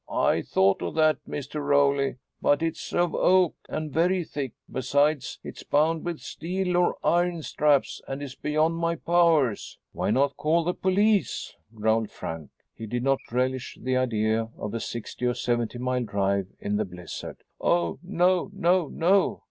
"I thought of that, Mr. Rowley, but it is of oak and very thick. Besides, it is bound with steel or iron straps and is beyond my powers." "Why not call the police?" growled Frank. He did not relish the idea of a sixty or seventy mile drive in the blizzard. "Oh no no no!"